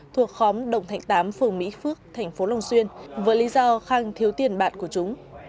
thuộc khóm động thành tám phường mỹ phước thành phố long xuyên với lý do khang thiếu tiền bạn của chúng